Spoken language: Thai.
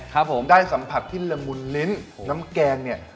ครับผมได้สัมผัสที่ละมุนลิ้นน้ำแกงเนี่ย